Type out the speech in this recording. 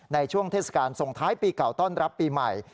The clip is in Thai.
ในช่วงเทศกาลส่งท้ายปีเก่าต้อนรับปีใหม่